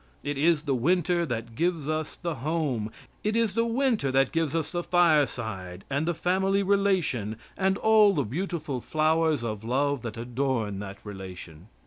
It is the Winter that gives us the home; it is the Winter that gives us the fireside and the family relation and all the beautiful flowers of love that adorn that relation.